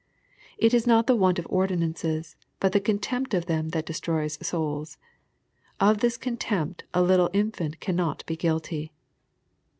It is not the want of ordinances, but the con tempt of them that destroys souls. Of this contempt a little in fant cannot be guilty.